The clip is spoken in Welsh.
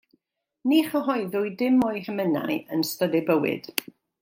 Ni chyhoeddwyd dim o'i hemynau yn ystod ei bywyd.